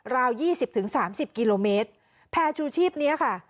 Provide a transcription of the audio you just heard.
ราว๒๐๓๐กิโลเมตรแพรชูชีพนี้ค่ะ